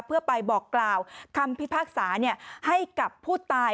เพื่อไปบอกกล่าวคำพิพากษาให้กับผู้ตาย